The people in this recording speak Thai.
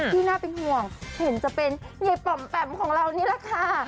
ที่น่าเป็นห่วงเห็นจะเป็นยายป่อมแปมของเรานี่แหละค่ะ